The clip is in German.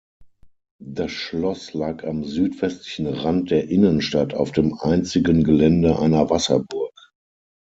Das Schloss lag am südwestlichen Rand der Innenstadt auf dem einstigen Gelände einer Wasserburg.